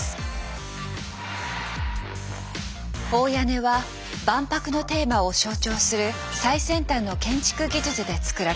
大屋根は万博のテーマを象徴する最先端の建築技術で造られます。